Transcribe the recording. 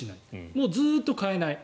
もうずっと変えない。